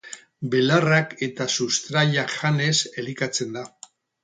Belarrak eta sustraiak janez elikatzen da.